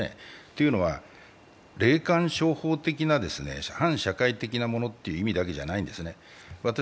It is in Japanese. というのは、霊感商法的な反社会的なものという意味だけじゃないんですね。